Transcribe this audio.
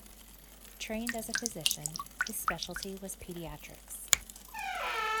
Trained as a physician, his specialty was pediatrics.